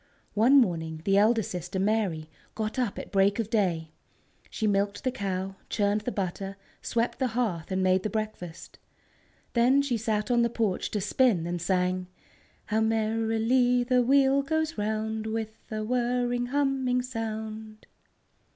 One morning the elder sister, Mary, got up at break of day. She milked the cow, churned the butter, swept the hearth, and made the breakfast. Then she sat on the porch to spin, and sang: "_How merrily the wheel goes round, With a whirring, humming sound!